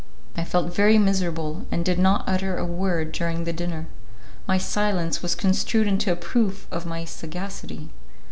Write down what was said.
I felt very miserable, and did not utter a word during the dinner; my silence was construed into a proof of my sagacity.